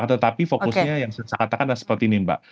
tetapi fokusnya yang saya katakan seperti ini mbak